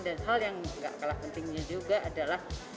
dan hal yang nggak kalah pentingnya juga adalah